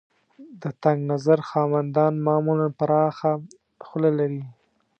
د تنګ نظر خاوندان معمولاً پراخه خوله لري.